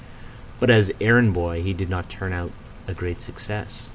But as errand boy he did not turn out a great success.